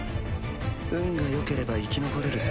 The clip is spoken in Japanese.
運がよければ生き残れるさ。